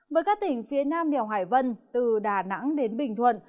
với các tỉnh phía nam đèo hải vân từ đà nẵng đến bình thuận